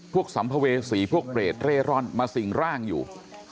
สัมภเวษีพวกเปรตเร่ร่อนมาสิ่งร่างอยู่